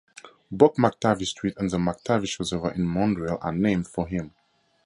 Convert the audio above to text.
Both McTavish Street and the McTavish Reservoir in Montreal are named for him.